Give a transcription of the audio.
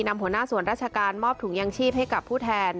นำหัวหน้าส่วนราชการมอบถุงยางชีพให้กับผู้แทน